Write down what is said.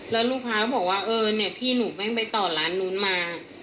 แล้วลูกค้าก็บอกว่าเออเนี่ยพี่หนูแม่งไปต่อร้านนู้นมา